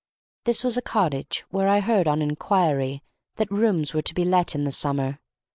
This was a cottage where I heard, on inquiry, that rooms were to be let in the summer.